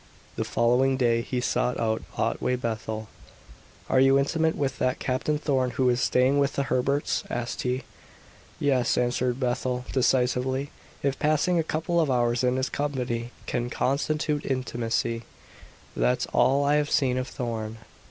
The following day he sought out Otway Bethel. "Are you intimate with that Captain Thorn who is staying with the Herberts?" asked he. "Yes," answered Bethel, decisively, "if passing a couple of hours in his company can constitute intimacy. That's all I have seen of Thorn."